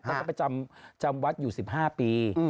ก็ไปจำวัดอยู่๑๕ปี